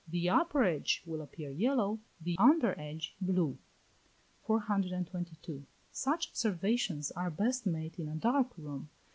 The upper edge will appear yellow, the under edge blue. 422. Such observations are best made in a dark room.